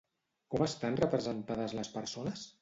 Com estan representades les persones?